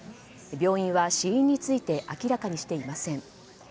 病院は死因について明らかにしていません。